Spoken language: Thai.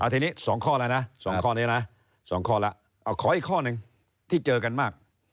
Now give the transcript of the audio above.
ทีนี้๒ข้อแล้วนะขออีกข้อหนึ่งที่เจอกันมาก